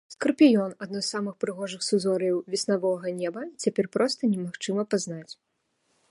Скарпіён, адно з самых прыгожых сузор'яў веснавога неба, цяпер проста немагчыма пазнаць.